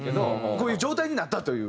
こういう状態になったという。